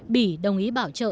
bị đồng ý bảo trợ